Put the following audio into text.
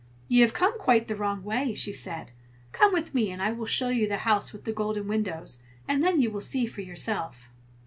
"You have come quite the wrong way!" she said. "Come with me, and I will show you the house with the golden windows, and then you will see for yourself."